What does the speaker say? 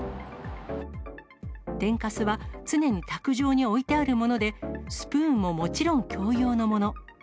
天かすは、常に卓上に置いてあるもので、スプーンももちろん共用のもの。